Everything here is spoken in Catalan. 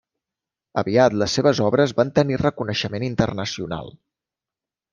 Aviat les seves obres van tenir reconeixement internacional.